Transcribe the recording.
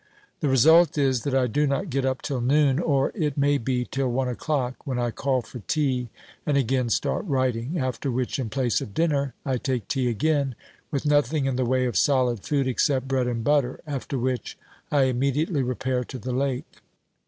The result is that I do not get up till noon, or, it may be, till one o'clock, when I call for tea and again start writing, after which, in place of dinner, I take tea again, with nothing in the way of solid food except bread and butter, after which I immediately repair to the lake.